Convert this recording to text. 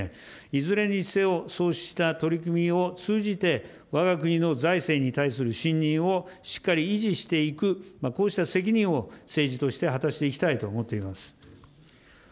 いずれにせよ、そうした取り組みを通じて、わが国の財政に対する信認をしっかり維持していく、そうした責任を、政治として果たしていきたいと思っております。